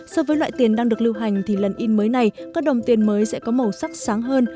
so với loại tiền đang được lưu hành thì lần in mới này các đồng tiền mới sẽ có màu sắc sáng hơn